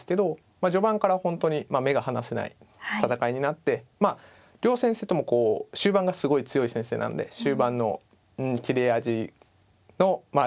序盤から本当に目が離せない戦いになって両先生ともこう終盤がすごい強い先生なんで終盤の切れ味のまあ何ていうんですかね